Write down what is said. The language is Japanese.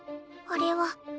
あれは。